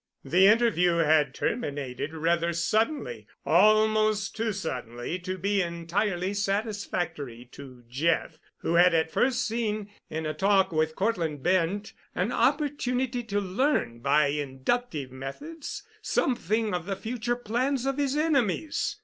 The interview had terminated rather suddenly—almost too suddenly to be entirely satisfactory to Jeff, who had at first seen in a talk with Cortland Bent an opportunity to learn by inductive methods something of the future plans of his enemies.